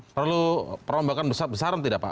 perlu perombakan besar besaran tidak pak